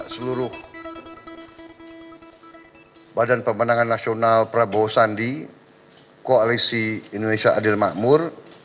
seluruh badan pemenangan nasional prabowo sandi koalisi indonesia adil makmur